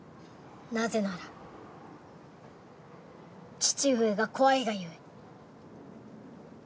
なぜなら父親が怖いがゆえ。